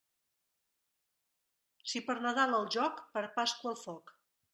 Si per Nadal al joc, per Pasqua al foc.